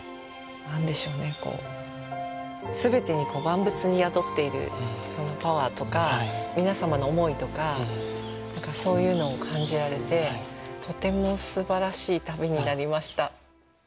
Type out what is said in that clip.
なんでしょうね、こう、全てに、万物に宿っているパワーとか、皆様の思いとか、何かそういうのを感じられて、とてもすばらしい旅になりました。